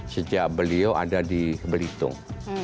sejak beliau ada di belitung